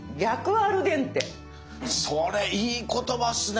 それいい言葉っすね！